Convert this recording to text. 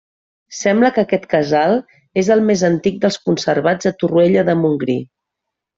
Sembla que aquest casal és el més antic dels conservats a Torroella de Montgrí.